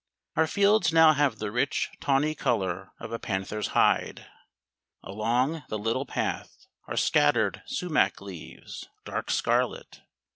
Our fields now have the rich, tawny colour of a panther's hide. Along the little path are scattered sumac leaves, dark scarlet.